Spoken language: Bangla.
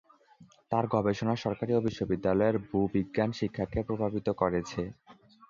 তাঁর গবেষণা সরকারি ও বিশ্ববিদ্যালয়ের ভূবিজ্ঞান শিক্ষাকে প্রভাবিত করেছে।